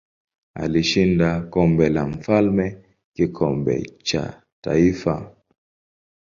Alishinda Kombe la Mfalme kikombe cha kitaifa.